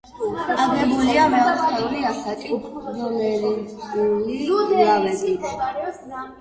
აგებულია მეოთხეული ასაკის დოლერიტული ლავებით.